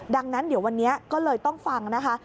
ดังนั้นเดี๋ยววันนี้ก็เลยต้องฟังนะคะ